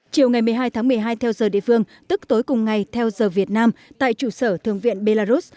chiều ngày một mươi hai tháng một mươi hai theo giờ địa phương tức tối cùng ngày theo giờ việt nam tại trụ sở thượng viện belarus